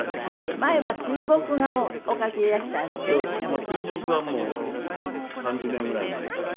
まあ水墨はもう３０年ぐらい前から。